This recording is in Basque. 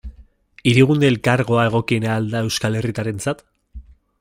Hirigune Elkargoa egokiena al da euskal herritarrentzat?